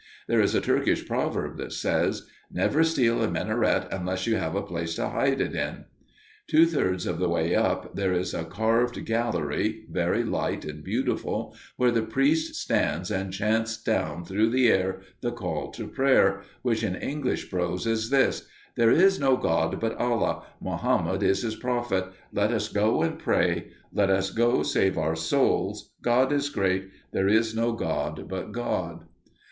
There is a Turkish proverb that says, "Never steal a minaret unless you have a place to hide it in." Two thirds of the way up, there is a carved gallery, very light and beautiful, where the priest stands and chants down through the air the call to prayer, which in English prose is this: "There is no God but Allah; Mohammed is His Prophet; let us go and pray; let us go save our souls; God is great; there is no god but God."